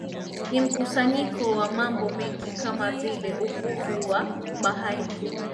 Ni mkusanyiko wa mambo mengi kama vile uvuvi wa bahari kuu